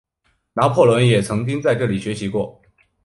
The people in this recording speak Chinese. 拿破仑也曾经在这里学习过。